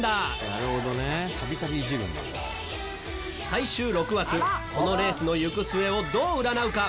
最終６枠このレースの行く末をどう占うか？